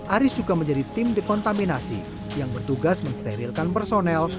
aris juga menjadi tim dekontaminasi yang bertugas mensterilkan personel